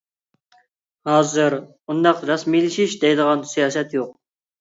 ھازىر ئۇنداق «رەسمىيلىشىش» دەيدىغان سىياسەت يوق.